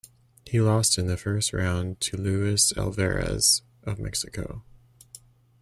He lost in the first round to Luis Alvarez of Mexico.